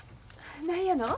何やの？